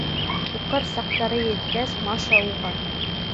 Уҡыр саҡтары еткәс, Маша уға: